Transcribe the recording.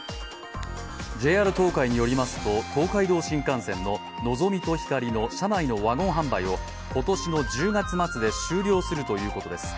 ＪＲ東海によりますと、東海道新幹線ののぞみとひかりの車内のワゴン販売を今年の１０月末で終了するということです。